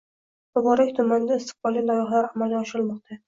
Muborak tumanida istiqbolli loyihalar amalga oshirilmoqda